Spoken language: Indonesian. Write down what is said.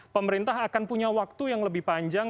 pemerintah akan punya waktu yang lebih panjang